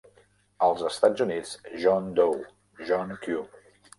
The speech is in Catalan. Als Estats Units, John Doe, John Q.